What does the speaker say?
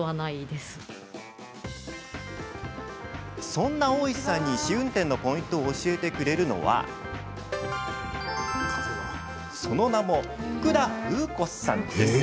そんな大石さんに試運転のポイントを教えてくれるのはその名も福田風子さんです。